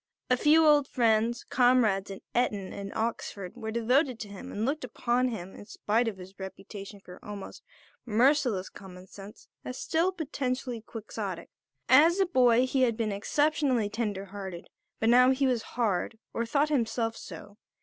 A few old friends, comrades at Eton and Oxford, were devoted to him and looked upon him, in spite of his reputation for almost merciless common sense, as still potentially Quixotic. As a boy he had been exceptionally tender hearted; but now he was hard, or thought himself so.